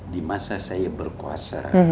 di masa saya berkuasa